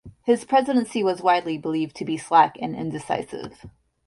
His presidency was widely believed to be slack and indecisive.